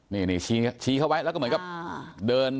นี่ชี้เข้าไว้แล้วก็เหมือนกับเดิน